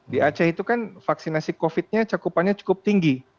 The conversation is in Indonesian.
di aceh itu kan vaksinasi covid nya cakupannya cukup tinggi